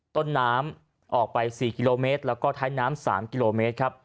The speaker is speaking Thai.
ต้นน้ำออกไป๔กิโลเมตรแล้วก็ท้ายน้ำ๓กิโลเมตรครับ